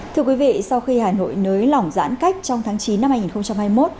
thưa quý vị sau khi hà nội nới lỏng giãn cách trong tháng chín năm hai nghìn hai mươi một